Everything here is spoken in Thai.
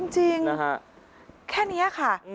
จริงแค่นี้ค่ะ